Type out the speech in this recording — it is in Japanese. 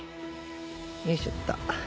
よいしょっと。